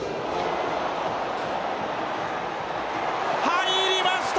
入りました！